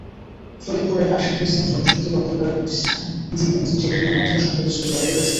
ফরিদপুরের আশরাফুল ইসলাম জনশক্তি রপ্তানিকারক প্রতিষ্ঠান জিএমজি ট্রেডিংয়ের মাধ্যমে সম্প্রতি সৌদি আরবে গেছেন।